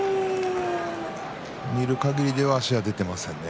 見るかぎりでは足が出ていませんね。